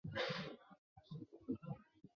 欧洲药品管理局也在同期接受其审查申请。